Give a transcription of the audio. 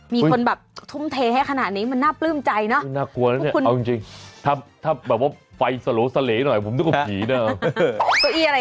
มีคนแบบทุ่มเทให้ขนาดนี้มันน่าปลื้มใจเนาะ